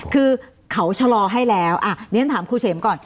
คือเขาชะลอให้แล้วสงครามคุณเชมพ์ก่อน